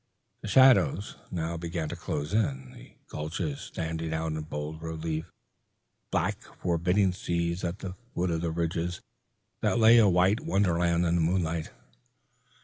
The shadows now began to close in, the gulches standing out in bold relief, black, forbidding seas at the foot of the ridges that lay a white wonderland in the moonlight.